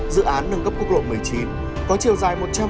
dự án tăng cường kết nối giao thông khu vực tây nguyên